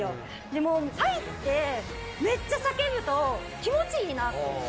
でも、入ってめっちゃ叫ぶと気持ちいいなって。